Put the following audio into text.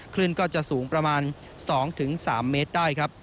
คลื่นก็จะสูงประมาณ๒๓เมตรได้ครับ